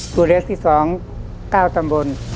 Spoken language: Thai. ตัวเลือกที่๒๙ตำบล